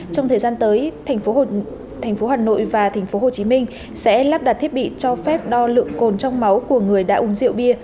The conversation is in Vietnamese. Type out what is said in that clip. trong thời gian tới tp hà nội và tp hồ chí minh sẽ lắp đặt thiết bị cho phép đo lượng cồn trong máu của người đã uống rượu bia